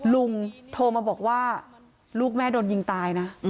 ลุงโทรมาบอกว่าลูกแม่โดนยิงตายนะ